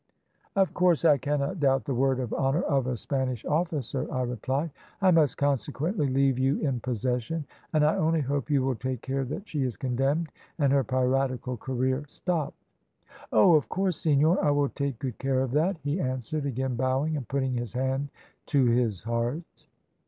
"`Of course I cannot doubt the word of honour of a Spanish officer,' I replied. `I must consequently leave you in possession, and I only hope you will take care that she is condemned and her piratical career stopped.' "`Oh, of course, senor. I will take good care of that,' he answered, again bowing, and putting his hand to his heart.